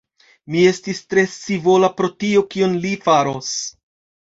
Mi estis tre scivola pri tio, kion li faros.